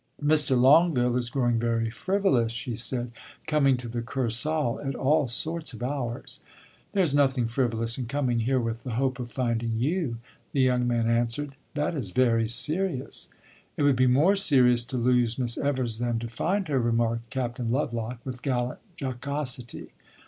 "Mr. Longueville is growing very frivolous," she said, "coming to the Kursaal at all sorts of hours." "There is nothing frivolous in coming here with the hope of finding you," the young man answered. "That is very serious." "It would be more serious to lose Miss Evers than to find her," remarked Captain Lovelock, with gallant jocosity.